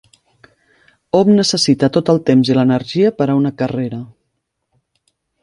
Hom necessita tot el temps i l'energia per a una carrera.